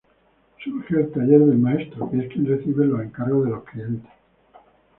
Surge el taller del maestro, que es quien recibe los encargos de los clientes.